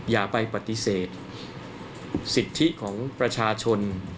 อย่าไปปฏิเสธสิทธิของประชาชน